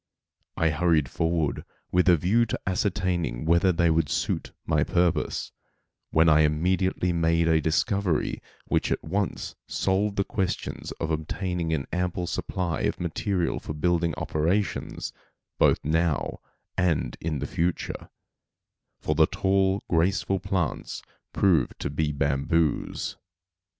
I hurried forward with a view to ascertaining whether they would suit my purpose, when I immediately made a discovery which at once solved the question of obtaining an ample supply of material for building operations, both now and in the future; for the tall, graceful plants proved to be bamboos.